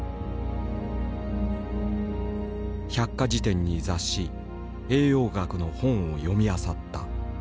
百科辞典に雑誌栄養学の本を読みあさった。